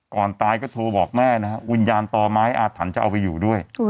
ก่อนตายก็โทรบอกแม่นะฮะวิญญาณต่อไม้อาถรรพ์จะเอาไปอยู่ด้วย